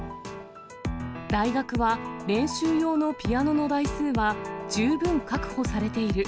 大学は、練習用のピアノの台数は、十分確保されている。